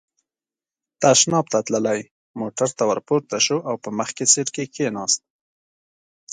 تشناب ته تللی، موټر ته ور پورته شو او په مخکې سېټ کې کېناست.